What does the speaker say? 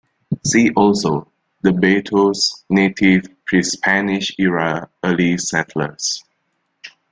See also, the Bato's native Pre-Spanish Era Early Settlers.